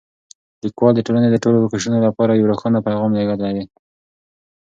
لیکوال د ټولنې د ټولو قشرونو لپاره یو روښانه پیغام لېږلی دی.